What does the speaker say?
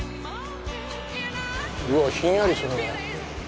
うわっひんやりするね。